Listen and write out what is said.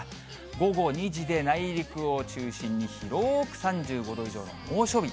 午後２時で内陸を中心に広く３５度以上の猛暑日。